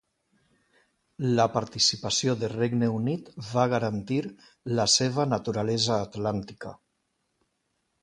La participació de Regne Unit va garantir la seva naturalesa atlàntica.